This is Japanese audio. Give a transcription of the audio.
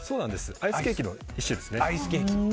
アイスケーキの一種です。